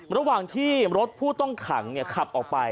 ระหว่างที่รถผู้ต้องขังขับออกไป